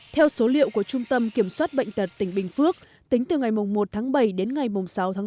theo số liệu của trung tâm kiểm soát bệnh tật tỉnh bình phước tính từ ngày một tháng bảy đến ngày sáu tháng bốn